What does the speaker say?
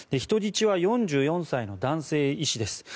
人質は４４歳の男性医師です。